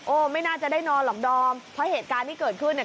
โอ้ยไม่น่าจะได้นอนล่อมเพราะเกิดการีที่เกิดขึ้นเนี่ย